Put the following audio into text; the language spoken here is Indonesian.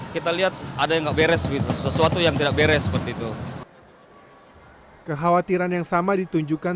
kita lihat ada yang beres sesuatu yang tidak beres seperti itu kekhawatiran yang sama ditunjukkan